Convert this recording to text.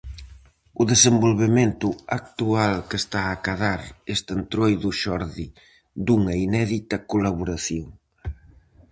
O desenvolvemento actual que está a acadar este Entroido xorde dunha inédita colaboración.